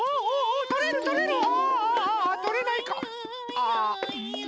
ああ。